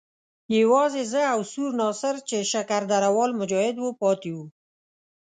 یوازې زه او سور ناصر چې شکر درده وال مجاهد وو پاتې وو.